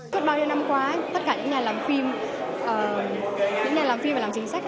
suốt bao nhiêu năm qua tất cả những nhà làm phim những nhà làm phim và làm chính sách